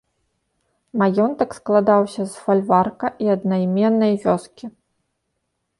Маёнтак складаўся з фальварка і аднайменнай вёскі.